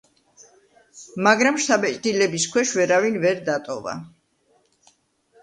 მაგრამ შთაბეჭდილების ქვეშ ვერავინ ვერ დატოვა.